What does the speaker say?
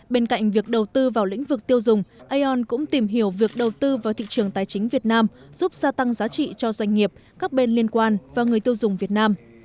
bên cạnh việc đầu tư vào lĩnh vực tiêu dùng aon cũng tìm hiểu việc đầu tư vào thị trường tài chính việt nam giúp gia tăng giá trị cho doanh nghiệp các bên liên quan và người tiêu dùng việt nam